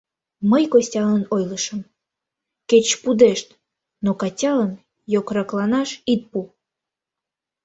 Мый Костялан ойлышым: «Кеч пудешт, но Катялан йокрокланаш ит пу».